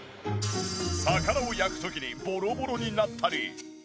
魚を焼く時にボロボロになったり。